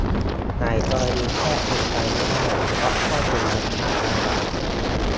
หลายกรณีแทบเป็นไปไม่ได้ เพราะเข้าถึงหลักฐานลำบาก